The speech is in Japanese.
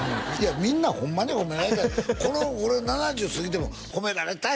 みんなホンマに褒められたい俺７０すぎても褒められたい！